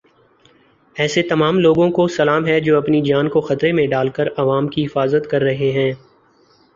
ایسے تمام لوگوں کو سلام ہے جو اپنی جان کو خطرے میں ڈال کر عوام کی حفاظت کر رہے ہیں۔